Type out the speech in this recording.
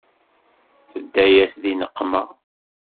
Tedda-yas di nneqma.